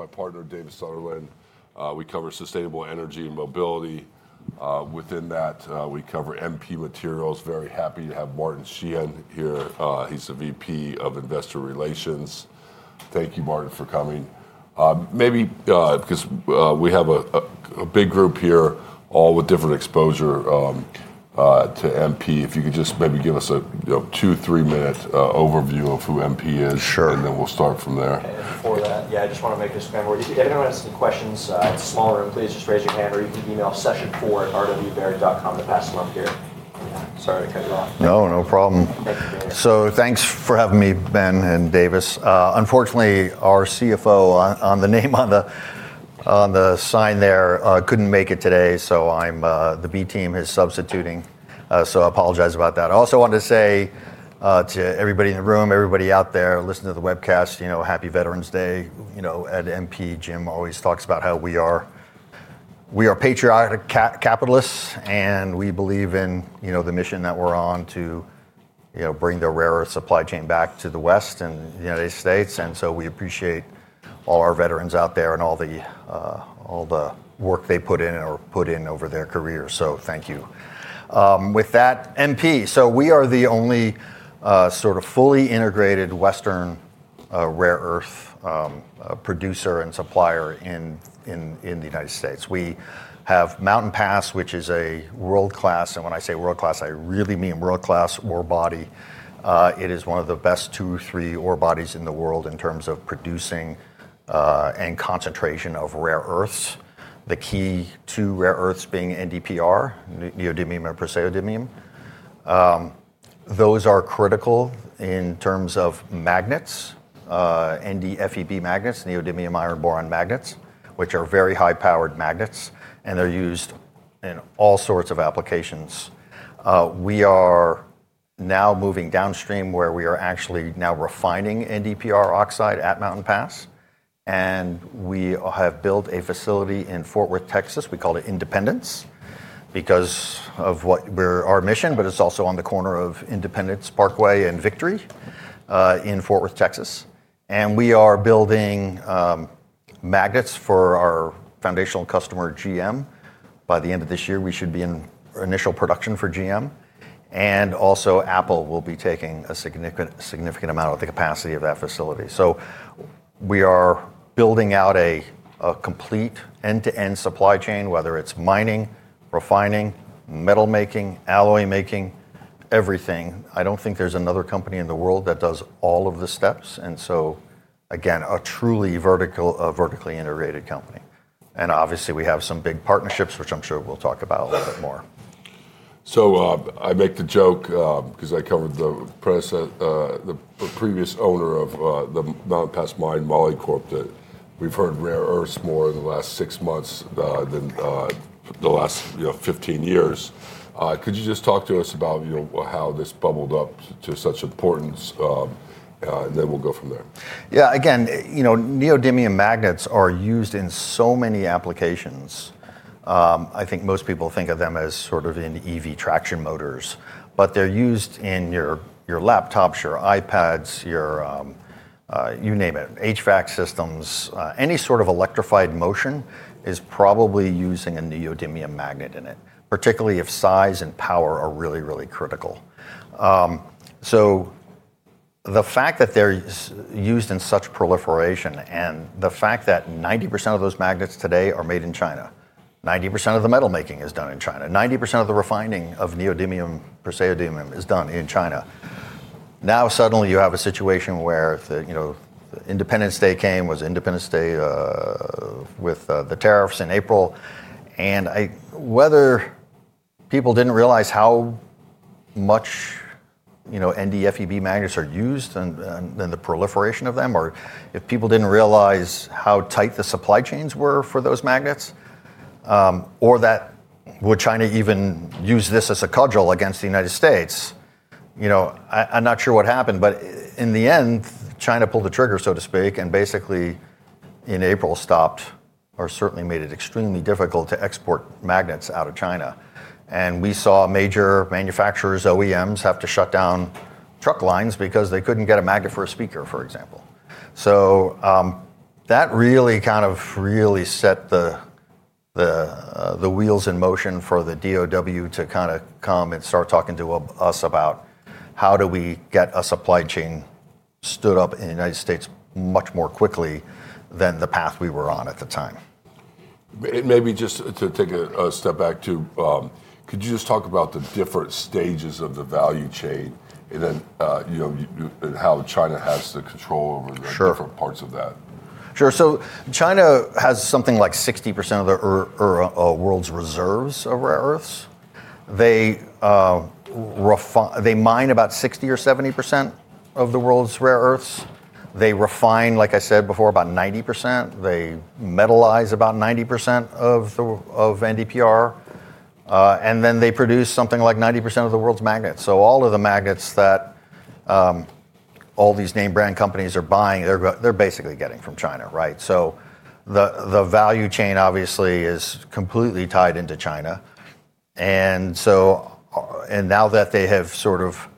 My partner, David Sutherland. We cover sustainable energy and mobility. Within that, we cover MP Materials. Very happy to have Martin Sheehan here. He's the VP of Investor Relations. Thank you, Martin, for coming. Maybe because we have a big group here, all with different exposure to MP. If you could just maybe give us a two, three-minute overview of who MP is, and then we'll start from there. For that, yeah, I just want to make this memo. If anyone has any questions in the smaller room, please just raise your hand, or you can email session4@rdbbear.com to pass along here. Sorry to cut you off. No, no problem. Thanks for having me, Ben and Davis. Unfortunately, our CFO, the name on the sign there, could not make it today, so the B team is substituting. I apologize about that. I also wanted to say to everybody in the room, everybody out there listening to the webcast, happy Veterans Day. MP Jim always talks about how we are patriotic capitalists, and we believe in the mission that we are on to bring the rare earth supply chain back to the West and the United States. We appreciate all our veterans out there and all the work they put in or put in over their careers. Thank you. With that, MP, we are the only sort of fully integrated Western rare earth producer and supplier in the United States. We have Mountain Pass, which is a world-class, and when I say world-class, I really mean world-class ore body. It is one of the best two, three ore bodies in the world in terms of producing and concentration of rare earths. The key to rare earths being NdPr, neodymium and praseodymium. Those are critical in terms of magnets, NdFeB magnets, neodymium iron boron magnets, which are very high-powered magnets, and they're used in all sorts of applications. We are now moving downstream where we are actually now refining NdPr oxide at Mountain Pass. We have built a facility in Fort Worth, Texas. We call it Independence because of our mission, but it's also on the corner of Independence Parkway and Victory in Fort Worth, Texas. We are building magnets for our foundational customer, GM. By the end of this year, we should be in initial production for GM. Apple will be taking a significant amount of the capacity of that facility. We are building out a complete end-to-end supply chain, whether it is mining, refining, metal making, alloy making, everything. I do not think there is another company in the world that does all of the steps. Again, a truly vertically integrated company. Obviously, we have some big partnerships, which I am sure we will talk about a little bit more. I make the joke because I covered the previous owner of the Mountain Pass Mine, Molycorp, that we have heard rare earths more in the last six months than the last 15 years. Could you just talk to us about how this bubbled up to such importance? And then we will go from there. Yeah, again, neodymium magnets are used in so many applications. I think most people think of them as sort of in EV traction motors. But they're used in your laptops, your iPads, you name it, HVAC systems. Any sort of electrified motion is probably using a neodymium magnet in it, particularly if size and power are really, really critical. The fact that they're used in such proliferation and the fact that 90% of those magnets today are made in China, 90% of the metal making is done in China, 90% of the refining of neodymium praseodymium is done in China. Now, suddenly, you have a situation where Independence Day came, was Independence Day with the tariffs in April. Whether people did not realize how much NdFeB magnets are used and the proliferation of them, or if people did not realize how tight the supply chains were for those magnets, or that China would even use this as a cudgel against the United States, I am not sure what happened, but in the end, China pulled the trigger, so to speak, and basically in April stopped or certainly made it extremely difficult to export magnets out of China. We saw major manufacturers, OEMs, have to shut down truck lines because they could not get a magnet for a speaker, for example. That really set the wheels in motion for the DoD to come and start talking to us about how to get a supply chain stood up in the United States much more quickly than the path we were on at the time. Maybe just to take a step back too, could you just talk about the different stages of the value chain and then how China has the control over the different parts of that? Sure. China has something like 60% of the world's reserves of rare earths. They mine about 60%-70% of the world's rare earths. They refine, like I said before, about 90%. They metalize about 90% of NdPr. They produce something like 90% of the world's magnets. All of the magnets that all these name brand companies are buying, they are basically getting from China, right? The value chain obviously is completely tied into China. Now that they have sort of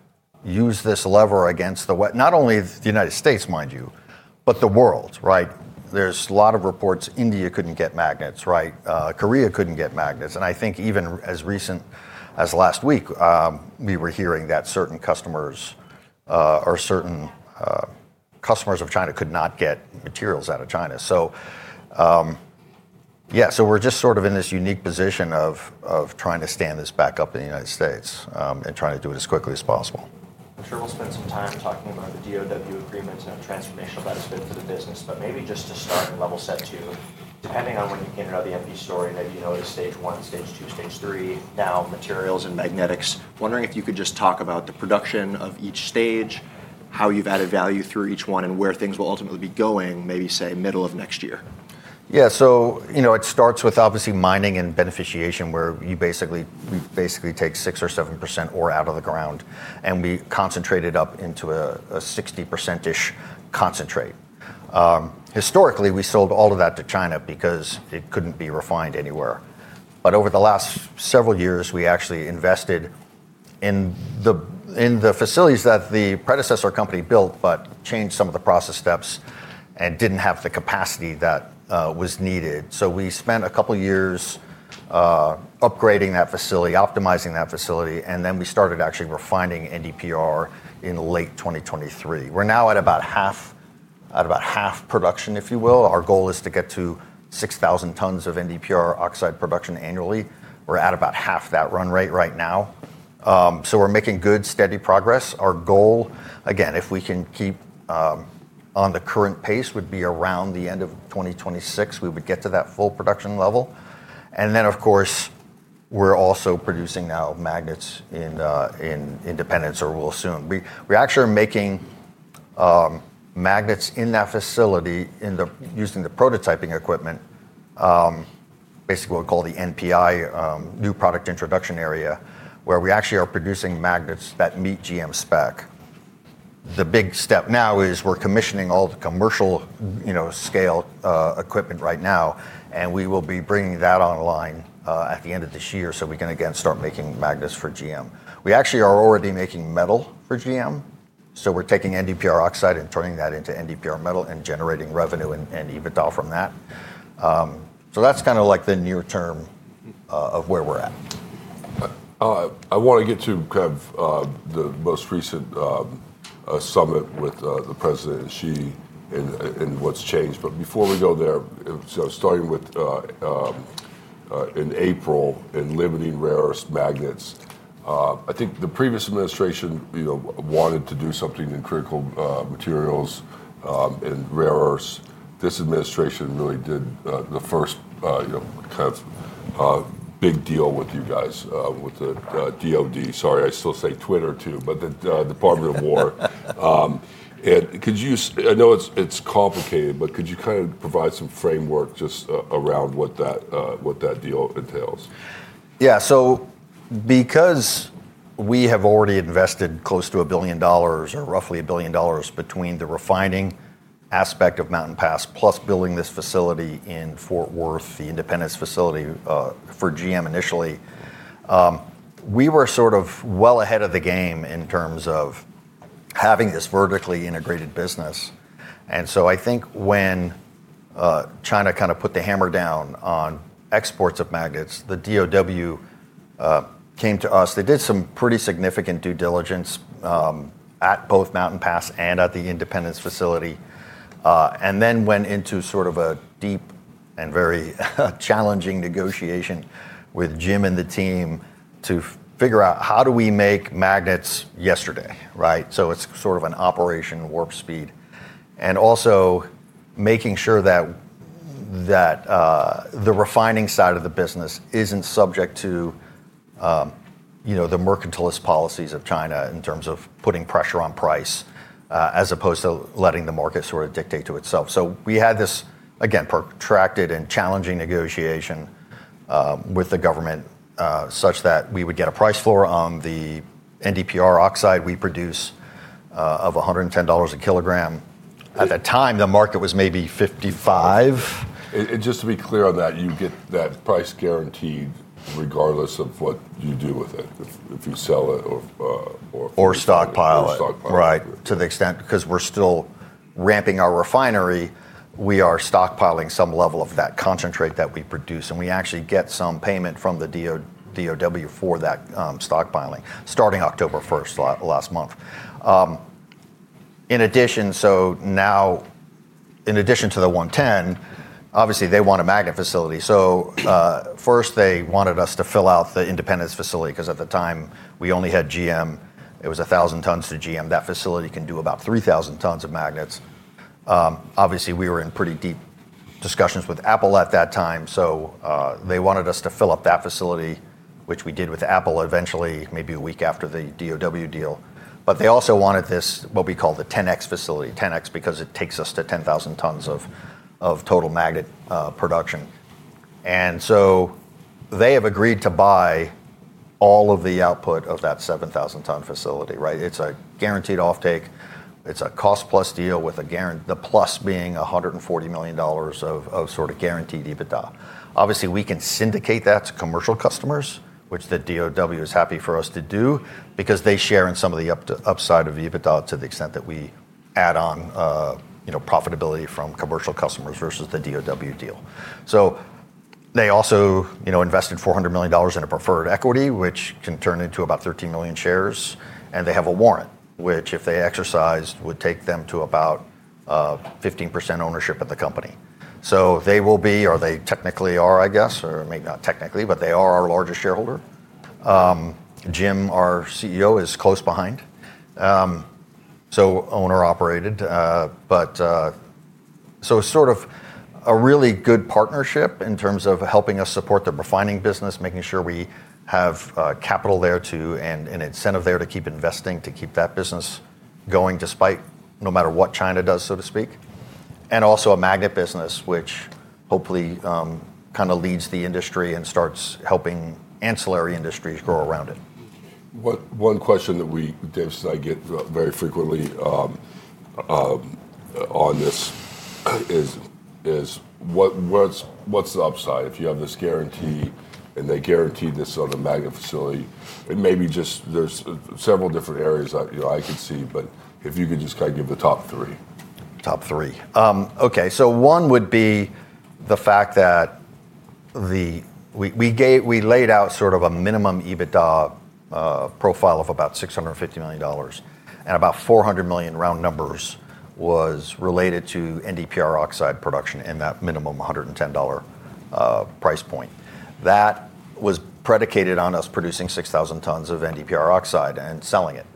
used this lever against not only the United States, mind you, but the world, right? There are a lot of reports India could not get magnets, right? Korea could not get magnets. I think even as recent as last week, we were hearing that certain customers or certain customers of China could not get materials out of China. Yeah, we're just sort of in this unique position of trying to stand this back up in the United States and trying to do it as quickly as possible. I'm sure we'll spend some time talking about the DOW agreement and transformational benefit for the business. Maybe just to start and level set too, depending on when you came out of the MP story, maybe you know the stage one, stage two, stage three, now materials and magnetics. Wondering if you could just talk about the production of each stage, how you've added value through each one, and where things will ultimately be going, maybe say middle of next year. Yeah, so it starts with obviously mining and beneficiation, where we basically take 6% or 7% ore out of the ground, and we concentrate it up into a 60%-ish concentrate. Historically, we sold all of that to China because it couldn't be refined anywhere. Over the last several years, we actually invested in the facilities that the predecessor company built, but changed some of the process steps and didn't have the capacity that was needed. We spent a couple of years upgrading that facility, optimizing that facility, and then we started actually refining NdPr in late 2023. We're now at about half production, if you will. Our goal is to get to 6,000 tons of NdPr oxide production annually. We're at about half that run rate right now. We're making good steady progress. Our goal, again, if we can keep on the current pace, would be around the end of 2026, we would get to that full production level. Of course, we're also producing now magnets in Independence, or we'll soon. We actually are making magnets in that facility using the prototyping equipment, basically what we call the NPI, new product introduction area, where we actually are producing magnets that meet GM spec. The big step now is we're commissioning all the commercial scale equipment right now, and we will be bringing that online at the end of this year so we can again start making magnets for GM. We actually are already making metal for GM. We're taking NdPr oxide and turning that into NdPr metal and generating revenue and EBITDA from that. That's kind of like the near term of where we're at. I want to get to kind of the most recent summit with the President and Xi and what's changed. Before we go there, starting with in April and limiting rare earth magnets, I think the previous administration wanted to do something in critical materials and rare earths. This administration really did the first kind of big deal with you guys, with the DoD. Sorry, I still say Twitter too, but the Department of War. I know it's complicated, but could you kind of provide some framework just around what that deal entails? Yeah, so because we have already invested close to $1 billion or roughly $1 billion between the refining aspect of Mountain Pass plus building this facility in Fort Worth, the Independence facility for GM initially, we were sort of well ahead of the game in terms of having this vertically integrated business. I think when China kind of put the hammer down on exports of magnets, the DoD came to us. They did some pretty significant due diligence at both Mountain Pass and at the Independence facility, and then went into sort of a deep and very challenging negotiation with Jim and the team to figure out how do we make magnets yesterday, right? It is sort of an operation warp speed. Also making sure that the refining side of the business is not subject to the mercantilist policies of China in terms of putting pressure on price as opposed to letting the market sort of dictate to itself. We had this, again, protracted and challenging negotiation with the government such that we would get a price floor on the NdPr oxide we produce of $110 a kilogram. At that time, the market was maybe $55. Just to be clear on that, you get that price guaranteed regardless of what you do with it, if you sell it or. Or stockpile it, right? To the extent because we're still ramping our refinery, we are stockpiling some level of that concentrate that we produce. We actually get some payment from the DoD for that stockpiling starting October 1 last month. In addition, now in addition to the 110, obviously they want a magnet facility. First, they wanted us to fill out the Independence facility because at the time we only had GM. It was 1,000 tons to GM. That facility can do about 3,000 tons of magnets. Obviously, we were in pretty deep discussions with Apple at that time. They wanted us to fill up that facility, which we did with Apple eventually, maybe a week after the DoD deal. They also wanted this, what we call the 10X facility, 10X because it takes us to 10,000 tons of total magnet production. They have agreed to buy all of the output of that 7,000-ton facility, right? It is a guaranteed offtake. It is a cost-plus deal with the plus being $140 million of sort of guaranteed EBITDA. Obviously, we can syndicate that to commercial customers, which the DOE is happy for us to do because they share in some of the upside of EBITDA to the extent that we add on profitability from commercial customers versus the DOE deal. They also invested $400 million in a preferred equity, which can turn into about 13 million shares. They have a warrant, which if they exercised, would take them to about 15% ownership of the company. They will be, or they technically are, I guess, or maybe not technically, but they are our largest shareholder. Jim, our CEO, is close behind. Owner-operated. It's sort of a really good partnership in terms of helping us support the refining business, making sure we have capital there too and an incentive there to keep investing, to keep that business going despite no matter what China does, so to speak. Also a magnet business, which hopefully kind of leads the industry and starts helping ancillary industries grow around it. One question that we get very frequently on this is what's the upside if you have this guarantee and they guarantee this sort of magnet facility? Maybe just there's several different areas I could see, but if you could just kind of give the top three. Top three. Okay, so one would be the fact that we laid out sort of a minimum EBITDA profile of about $650 million and about $400 million, round numbers, was related to NdPr oxide production in that minimum $110 price point. That was predicated on us producing 6,000 tons of NdPr oxide and selling it.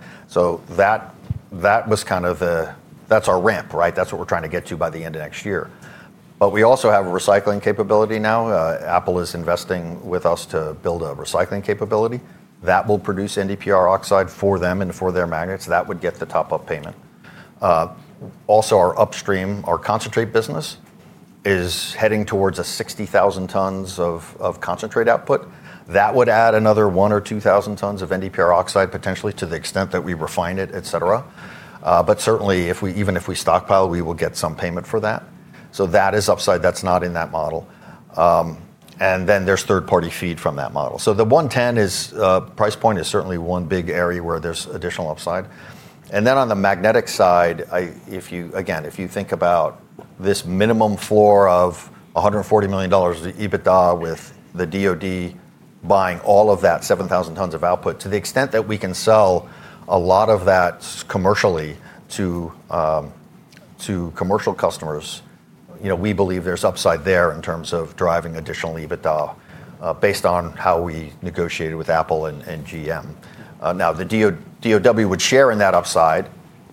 That was kind of the that's our ramp, right? That's what we're trying to get to by the end of next year. We also have a recycling capability now. Apple is investing with us to build a recycling capability that will produce NdPr oxide for them and for their magnets. That would get the top-up payment. Also, our upstream, our concentrate business is heading towards a 60,000 tons of concentrate output. That would add another 1,000 or 2,000 tons of NdPr oxide potentially to the extent that we refine it, etc. Certainly, even if we stockpiled, we will get some payment for that. That is upside. That is not in that model. Then there is third-party feed from that model. The $110 price point is certainly one big area where there is additional upside. On the magnetic side, again, if you think about this minimum floor of $140 million EBITDA with the DoD buying all of that 7,000 tons of output, to the extent that we can sell a lot of that commercially to commercial customers, we believe there is upside there in terms of driving additional EBITDA based on how we negotiated with Apple and GM. The DoD would share in that upside,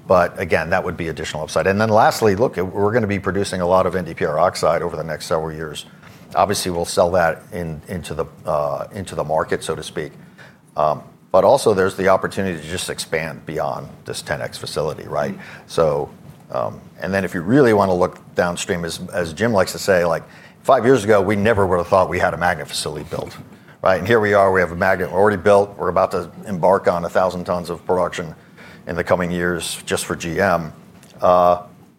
but again, that would be additional upside. Lastly, look, we are going to be producing a lot of NdPr oxide over the next several years. Obviously, we'll sell that into the market, so to speak. Also, there's the opportunity to just expand beyond this 10X facility, right? If you really want to look downstream, as Jim likes to say, five years ago, we never would have thought we had a magnet facility built, right? Here we are, we have a magnet we've already built. We're about to embark on 1,000 tons of production in the coming years just for GM.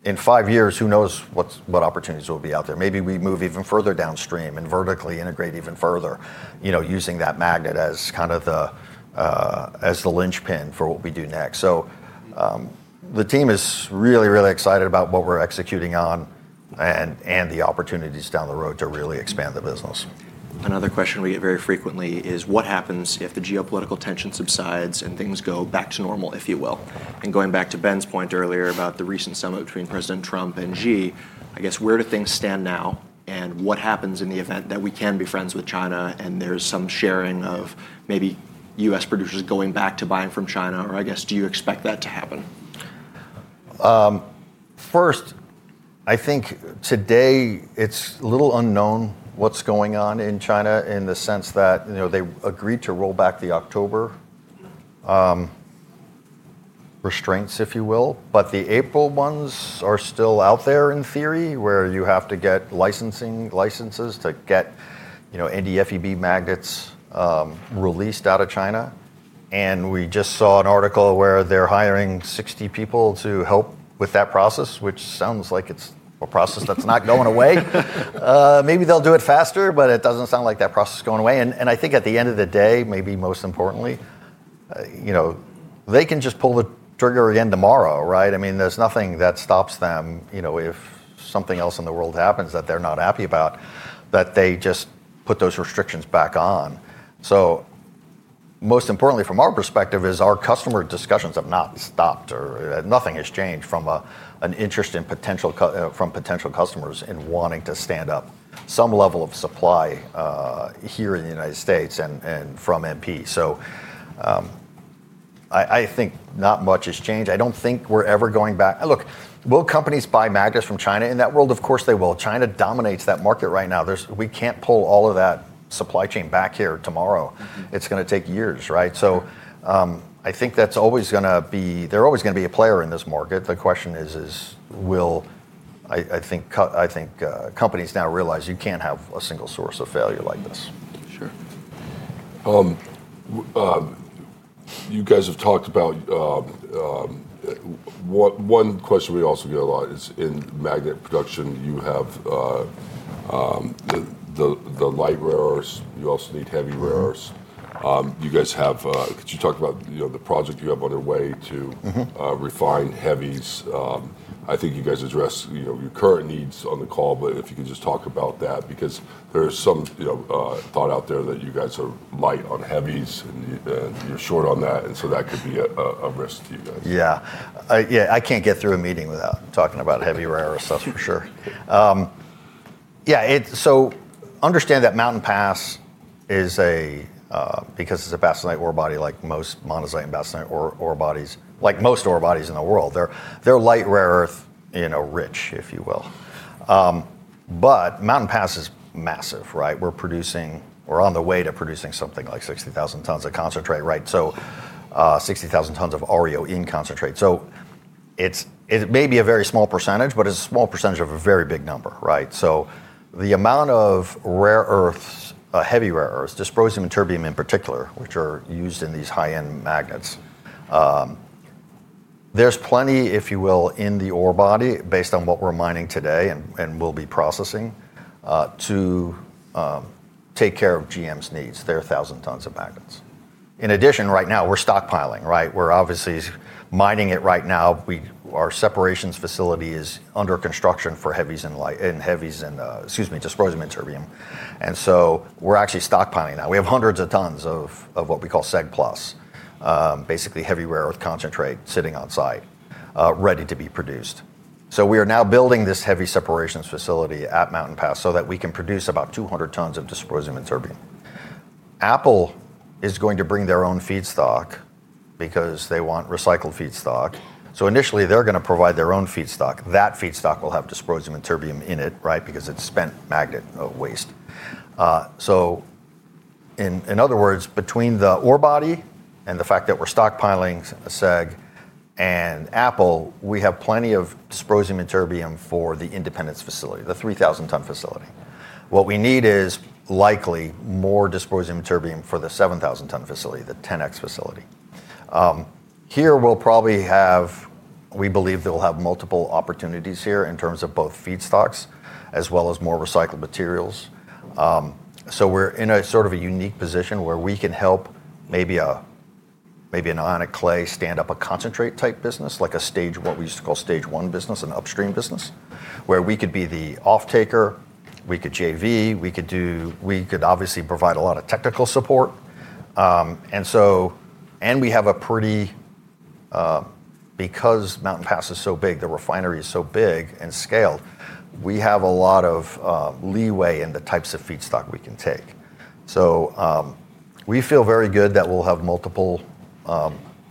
In five years, who knows what opportunities will be out there? Maybe we move even further downstream and vertically integrate even further using that magnet as kind of the linchpin for what we do next. The team is really, really excited about what we're executing on and the opportunities down the road to really expand the business. Another question we get very frequently is what happens if the geopolitical tension subsides and things go back to normal, if you will? Going back to Ben's point earlier about the recent summit between President Trump and Xi, I guess where do things stand now and what happens in the event that we can be friends with China and there's some sharing of maybe U.S. producers going back to buying from China? I guess do you expect that to happen? First, I think today it's a little unknown what's going on in China in the sense that they agreed to roll back the October restraints, if you will. The April ones are still out there in theory where you have to get licenses to get NdFeB magnets released out of China. We just saw an article where they're hiring 60 people to help with that process, which sounds like it's a process that's not going away. Maybe they'll do it faster, but it doesn't sound like that process is going away. I think at the end of the day, maybe most importantly, they can just pull the trigger again tomorrow, right? I mean, there's nothing that stops them if something else in the world happens that they're not happy about, that they just put those restrictions back on. Most importantly from our perspective is our customer discussions have not stopped or nothing has changed from an interest from potential customers in wanting to stand up some level of supply here in the United States and from MP. I think not much has changed. I do not think we are ever going back. Look, will companies buy magnets from China? In that world, of course they will. China dominates that market right now. We cannot pull all of that supply chain back here tomorrow. It is going to take years, right? I think that is always going to be, they are always going to be a player in this market. The question is, will, I think companies now realize you cannot have a single source of failure like this. Sure. You guys have talked about one question we also get a lot is in magnet production, you have the light rares, you also need heavy rares. You guys have, could you talk about the project you have underway to refine heavies? I think you guys addressed your current needs on the call, but if you could just talk about that because there's some thought out there that you guys are light on heavies and you're short on that. That could be a risk to you guys. Yeah. Yeah, I can't get through a meeting without talking about heavy rare stuff for sure. Yeah, so understand that Mountain Pass is a, because it's a bastnasite ore body like most monazite and bastnasite ore bodies, like most ore bodies in the world. They're light rare earth rich, if you will. But Mountain Pass is massive, right? We're producing or on the way to producing something like 60,000 tons of concentrate, right? So 60,000 tons of ore in concentrate. So it may be a very small percentage, but it's a small percentage of a very big number, right? So the amount of heavy rare earth, dysprosium and terbium in particular, which are used in these high-end magnets, there's plenty, if you will, in the ore body based on what we're mining today and will be processing to take care of GM's needs. They're 1,000 tons of magnets. In addition, right now we're stockpiling, right? We're obviously mining it right now. Our separations facility is under construction for heavies and, excuse me, dysprosium and terbium. We're actually stockpiling now. We have hundreds of tons of what we call SEG Plus, basically heavy rare earth concentrate sitting on site ready to be produced. We are now building this heavy separations facility at Mountain Pass so that we can produce about 200 tons of dysprosium and terbium. Apple is going to bring their own feed stock because they want recycled feed stock. Initially, they're going to provide their own feed stock. That feed stock will have dysprosium and terbium in it, right? Because it's spent magnet waste. In other words, between the ore body and the fact that we're stockpiling SEG and Apple, we have plenty of dysprosium and terbium for the Independence facility, the 3,000-ton facility. What we need is likely more dysprosium and terbium for the 7,000-ton facility, the 10X facility. Here we'll probably have, we believe that we'll have, multiple opportunities here in terms of both feedstocks as well as more recycled materials. We're in a sort of a unique position where we can help maybe an ionic clay stand up a concentrate type business, like a stage, what we used to call stage one business, an upstream business, where we could be the offtaker. We could JV. We could obviously provide a lot of technical support. We have a pretty, because Mountain Pass is so big, the refinery is so big and scaled, we have a lot of leeway in the types of feed stock we can take. We feel very good that we'll have multiple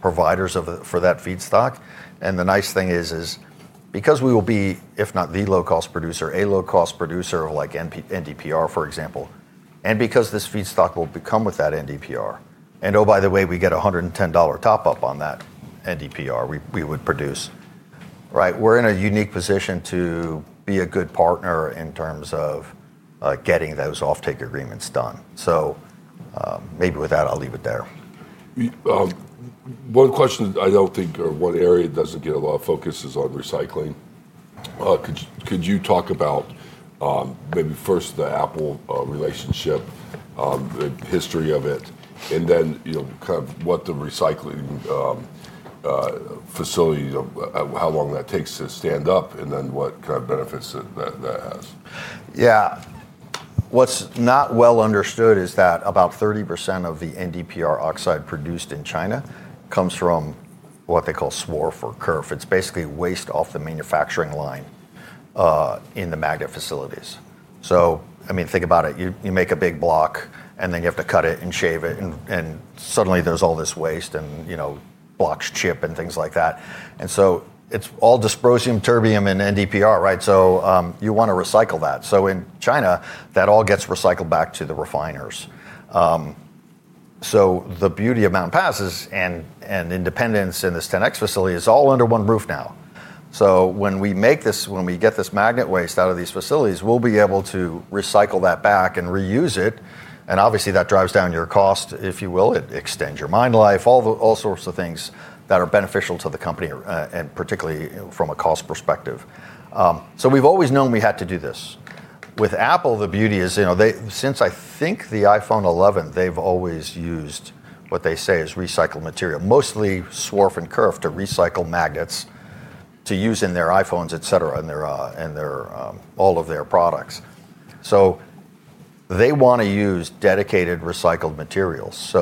providers for that feed stock. The nice thing is, because we will be, if not the low-cost producer, a low-cost producer of like NdPr, for example, and because this feed stock will come with that NdPr, and oh, by the way, we get a $110 top-up on that NdPr we would produce, right? We're in a unique position to be a good partner in terms of getting those offtake agreements done. Maybe with that, I'll leave it there. One question I do not think or one area does not get a lot of focus is on recycling. Could you talk about maybe first the Apple relationship, the history of it, and then kind of what the recycling facility, how long that takes to stand up, and then what kind of benefits that has? Yeah. What's not well understood is that about 30% of the NdPr oxide produced in China comes from what they call swarf or kerf. It's basically waste off the manufacturing line in the magnet facilities. I mean, think about it. You make a big block and then you have to cut it and shave it, and suddenly there's all this waste and blocks chip and things like that. It's all dysprosium, terbium, and NdPr, right? You want to recycle that. In China, that all gets recycled back to the refiners. The beauty of Mountain Pass and Independence in this 10X facility is all under one roof now. When we make this, when we get this magnet waste out of these facilities, we'll be able to recycle that back and reuse it. Obviously, that drives down your cost, if you will. It extends your mine life, all sorts of things that are beneficial to the company and particularly from a cost perspective. We have always known we had to do this. With Apple, the beauty is since I think the iPhone 11, they have always used what they say is recycled material, mostly swarf and kerf to recycle magnets to use in their iPhones, etc., and all of their products. They want to use dedicated recycled materials.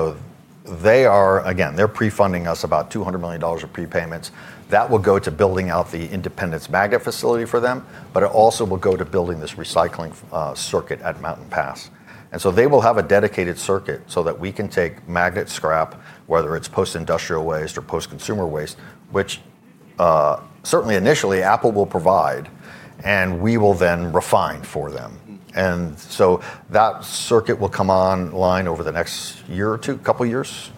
They are, again, they are pre-funding us about $200 million of pre-payments that will go to building out the Independence magnet facility for them, but it also will go to building this recycling circuit at Mountain Pass. They will have a dedicated circuit so that we can take magnet scrap, whether it is post-industrial waste or post-consumer waste, which certainly initially Apple will provide and we will then refine for them. That circuit will come online over the next year or two, couple of years.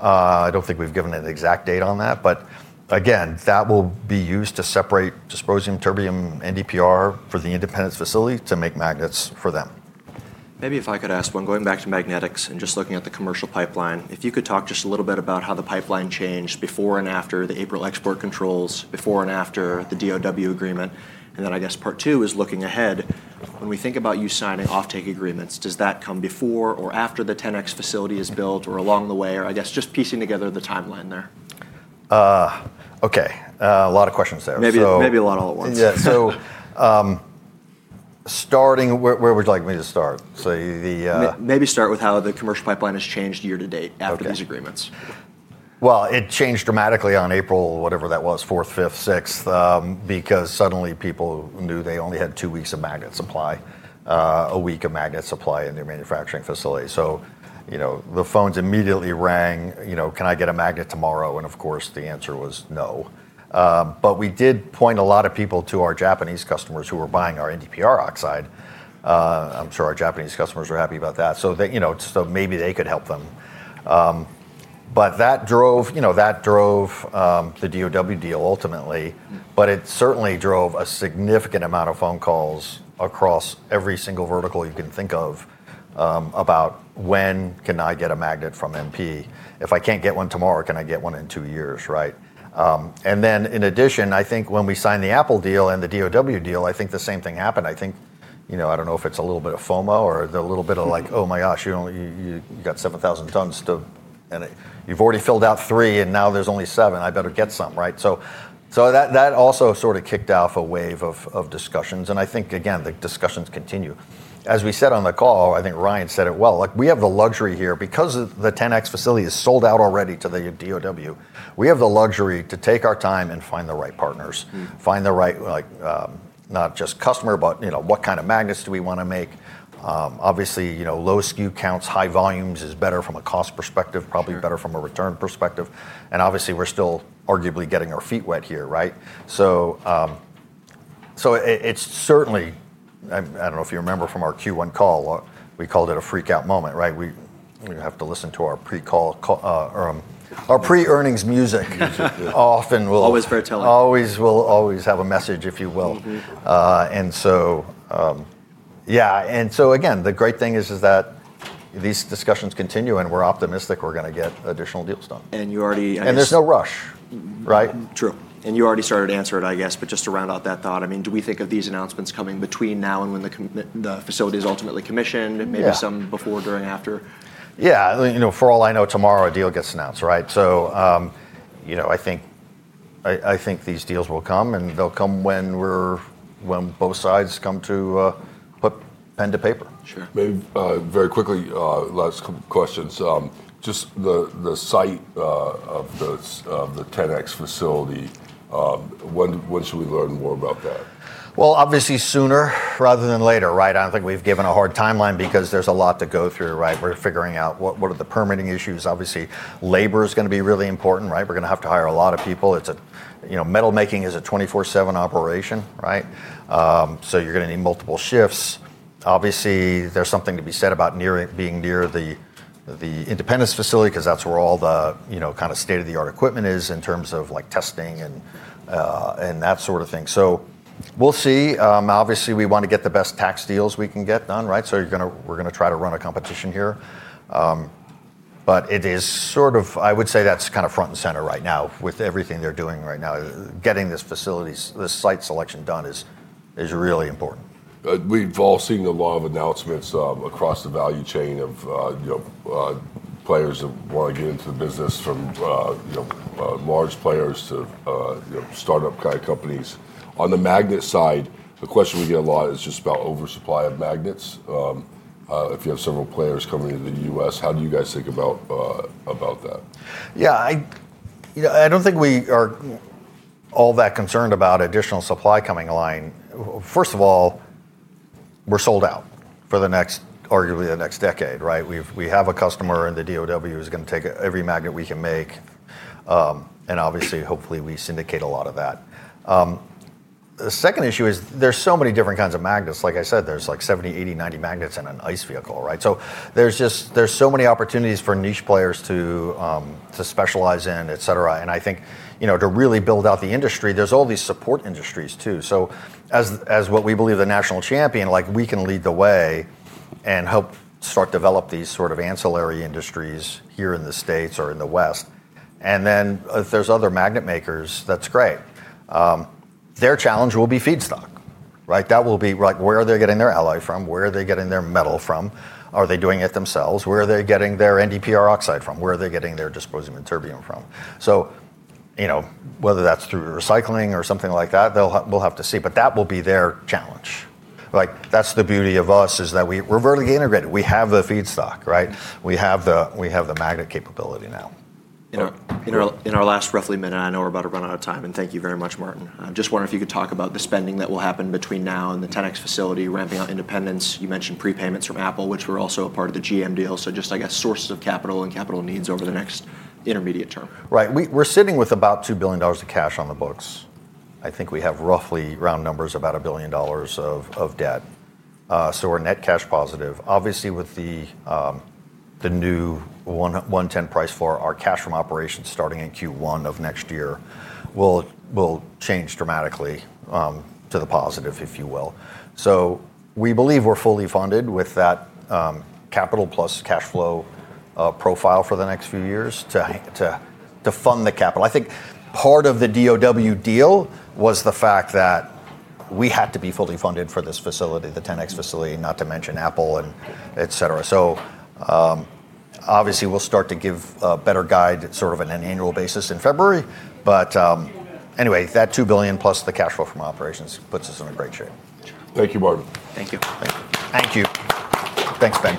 I do not think we have given an exact date on that, but again, that will be used to separate dysprosium, terbium, NdPr for the Independence facility to make magnets for them. Maybe if I could ask one, going back to magnetics and just looking at the commercial pipeline, if you could talk just a little bit about how the pipeline changed before and after the April export controls, before and after the DoD agreement. I guess part two is looking ahead. When we think about you signing offtake agreements, does that come before or after the 10X facility is built or along the way? I guess just piecing together the timeline there. Okay. A lot of questions there. Maybe a lot all at once. Yeah. Where would you like me to start? The. Maybe start with how the commercial pipeline has changed year to date after these agreements. It changed dramatically on April, whatever that was, 4th, 5th, 6th, because suddenly people knew they only had two weeks of magnet supply, a week of magnet supply in their manufacturing facility. The phones immediately rang, "Can I get a magnet tomorrow?" Of course, the answer was no. We did point a lot of people to our Japanese customers who were buying our NdPr oxide. I'm sure our Japanese customers are happy about that. Maybe they could help them. That drove the DOW deal ultimately, but it certainly drove a significant amount of phone calls across every single vertical you can think of about when can I get a magnet from MP. If I can't get one tomorrow, can I get one in two years, right? In addition, I think when we signed the Apple deal and the DOW deal, I think the same thing happened. I think I do not know if it is a little bit of FOMO or a little bit of like, "Oh my gosh, you got 7,000 tons and you have already filled out three and now there is only seven. I better get some," right? That also sort of kicked off a wave of discussions. I think, again, the discussions continue. As we said on the call, I think Ryan said it well, we have the luxury here because the 10X facility is sold out already to the DOW. We have the luxury to take our time and find the right partners, find the right not just customer, but what kind of magnets we want to make. Obviously, low SKU counts, high volumes is better from a cost perspective, probably better from a return perspective. Obviously, we're still arguably getting our feet wet here, right? It is certainly, I do not know if you remember from our Q1 call, we called it a freak out moment, right? We have to listen to our pre-earnings music often will. Always fair telling. Always will always have a message, if you will. Yeah. The great thing is that these discussions continue and we're optimistic we're going to get additional deals done. You already. There is no rush, right? True. You already started to answer it, I guess, but just to round out that thought, I mean, do we think of these announcements coming between now and when the facility is ultimately commissioned, maybe some before, during, after? Yeah. For all I know, tomorrow a deal gets announced, right? I think these deals will come and they'll come when both sides come to put pen to paper. Sure. Very quickly, last couple of questions. Just the site of the 10X facility, when should we learn more about that? Obviously sooner rather than later, right? I don't think we've given a hard timeline because there's a lot to go through, right? We're figuring out what are the permitting issues. Obviously, labor is going to be really important, right? We're going to have to hire a lot of people. Metal making is a 24/7 operation, right? So you're going to need multiple shifts. Obviously, there's something to be said about being near the Independence facility because that's where all the kind of state-of-the-art equipment is in terms of testing and that sort of thing. We'll see. Obviously, we want to get the best tax deals we can get done, right? We're going to try to run a competition here. It is sort of, I would say that's kind of front and center right now with everything they're doing right now. Getting this site selection done is really important. We've all seen a lot of announcements across the value chain of players that want to get into the business from large players to startup kind of companies. On the magnet side, the question we get a lot is just about oversupply of magnets. If you have several players coming into the U.S., how do you guys think about that? Yeah. I do not think we are all that concerned about additional supply coming online. First of all, we are sold out for arguably the next decade, right? We have a customer and the DoD is going to take every magnet we can make. Obviously, hopefully we syndicate a lot of that. The second issue is there are so many different kinds of magnets. Like I said, there are like 70, 80, 90 magnets in an ICE vehicle, right? There are so many opportunities for niche players to specialize in, etc. I think to really build out the industry, there are all these support industries too. As what we believe the national champion, we can lead the way and help start develop these sort of ancillary industries here in the States or in the West. If there are other magnet makers, that is great. Their challenge will be feedstock, right? That will be like, where are they getting their alloy from? Where are they getting their metal from? Are they doing it themselves? Where are they getting their NdPr oxide from? Where are they getting their dysprosium and terbium from? Whether that's through recycling or something like that, we'll have to see. That will be their challenge. That's the beauty of us is that we're vertically integrated. We have the feedstock, right? We have the magnet capability now. In our last roughly minute, I know we're about to run out of time. Thank you very much, Martin. I'm just wondering if you could talk about the spending that will happen between now and the 10X facility ramping out Independence. You mentioned pre-payments from Apple, which were also a part of the GM deal. Just, I guess, sources of capital and capital needs over the next intermediate term. Right. We're sitting with about $2 billion of cash on the books. I think we have roughly, round numbers, about $1 billion of debt. So we're net cash positive. Obviously, with the new $110 price for our cash from operations starting in Q1 of next year, we'll change dramatically to the positive, if you will. We believe we're fully funded with that capital plus cash flow profile for the next few years to fund the capital. I think part of the DOW deal was the fact that we had to be fully funded for this facility, the 10X facility, not to mention Apple, etc. We'll start to give a better guide sort of on an annual basis in February. Anyway, that $2 billion plus the cash flow from operations puts us in great shape. Thank you, Martin. Thank you. Thank you. Thanks, Ben.